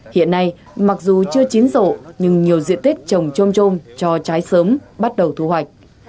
hiện nay mặc dù chưa chín sổ nhưng nhiều diện tiết trồng trôm trôm cho trái sớm bắt đầu thu hoạch